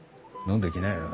飲んできなよ。